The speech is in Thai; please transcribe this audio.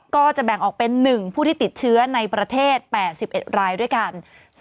ก็จะแบ่งออกเป็น๑ผู้ที่ติดเชื้อในประเทศ๘๑รายด้วยกัน